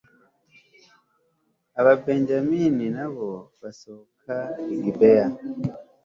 ababenyamini na bo basohoka i gibeya